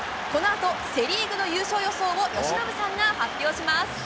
このあとセ・リーグの優勝予想を由伸さんが発表します！